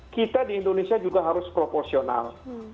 kita di indonesia juga harus proporsional